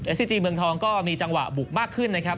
ซีจีเมืองทองก็มีจังหวะบุกมากขึ้นนะครับ